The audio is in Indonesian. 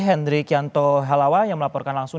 hendrik yanto halawa yang melaporkan langsung